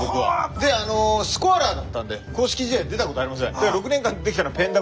であのスコアラーだったんで公式試合出たことありません。